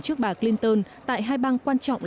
trước bà clinton tại hai bang quan trọng